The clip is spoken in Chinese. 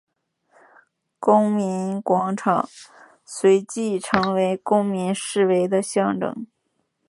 公民广场随即成为公民示威的象征。